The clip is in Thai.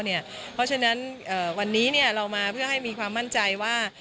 เพราะฉะนั้นวันนี้เรามาเพื่อให้มีความมั่นใจว่า